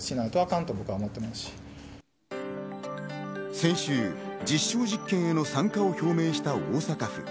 先週、実証実験への参加を表明した大阪府。